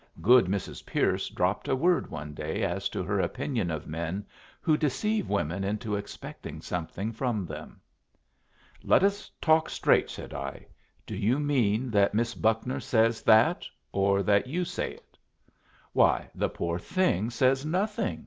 Good Mrs. Pierce dropped a word one day as to her opinion of men who deceive women into expecting something from them. "Let us talk straight," said I. "Do you mean that Miss Buckner says that, or that you say it?" "Why, the poor thing says nothing!"